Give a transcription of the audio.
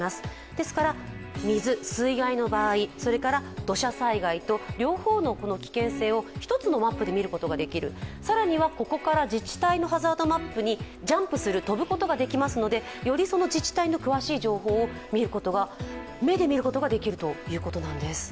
ですから水、水害の場合、それから土砂災害と、両方の危険性を１つのマップで見ることができる、更には、ここから自治体のハザードマップにジャンプする、飛ぶことができますのでよりその自治体の詳しい情報を目で見ることができるということなんです。